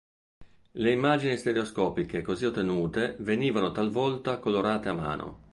Le immagini stereoscopiche così ottenute venivano talvolta colorate a mano.